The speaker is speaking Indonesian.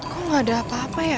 kok gak ada apa apa ya